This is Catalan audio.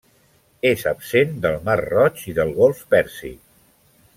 És absent del mar Roig i del Golf Pèrsic.